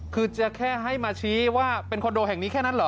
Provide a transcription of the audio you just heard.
คือจะแค่ให้มาชี้ว่าเป็นคอนโดแห่งนี้แค่นั้นเหรอ